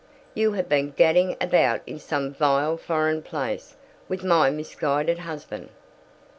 You have been gadding about in some vile foreign place with my misguided husband."